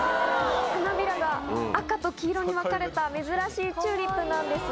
花びらが赤と黄色に分かれた珍しいチューリップなんです。